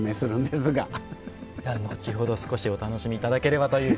では後ほど少しお楽しみ頂ければと。